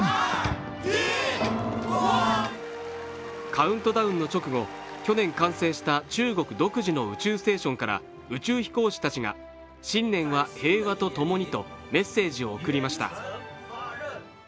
カウントダウンの直後、去年完成した中国独自の宇宙ステーションから宇宙飛行士たちが「新年は平和とともに」とメッセージを送りました。